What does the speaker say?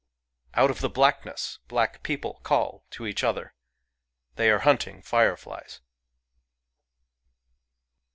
Out of the blackness black people call [to each other] : [they are hunting] fireflies